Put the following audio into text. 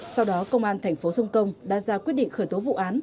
sau đó công an thành phố sông công đã ra quyết định khởi tố vụ án